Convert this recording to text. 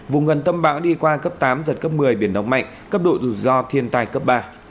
vùng gần tâm bão đi qua cấp tám giật cấp một mươi biển động mạnh cấp độ rủi ro thiên tai cấp ba